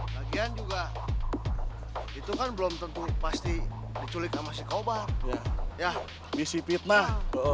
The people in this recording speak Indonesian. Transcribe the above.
lagian juga itu kan belum tentu pasti diculik sama si kobar ya bisi fitnah